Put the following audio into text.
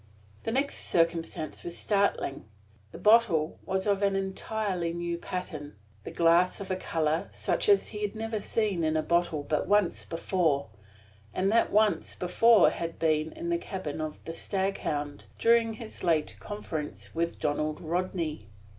The next circumstance was startling. The bottle was of an entirely new pattern, the glass of a color such as he had never seen in a bottle but once before, and that once before had been in the cabin of the Staghound, during his late conference with Donald Rodney!